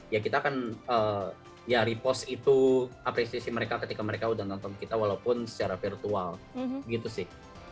ya kita kan ya repost itu apresiasi mereka ketika mereka udah nonton kita walaupun secara virtual gitu sih